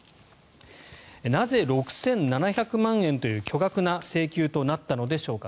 なぜ６７００万円という巨額な請求となったのでしょうか